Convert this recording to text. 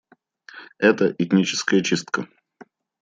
Это — этническая чистка.